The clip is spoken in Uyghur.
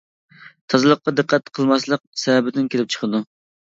تازىلىققا دىققەت قىلماسلىق سەۋەبىدىن كېلىپ چىقىدۇ.